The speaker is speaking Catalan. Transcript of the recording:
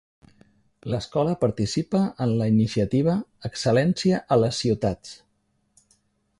L'escola participa en la iniciativa "Excel·lència a les ciutats".